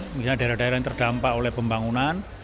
misalnya daerah daerah yang terdampak oleh pembangunan